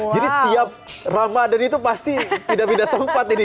jadi tiap ramadan itu pasti pindah pindah tempat ini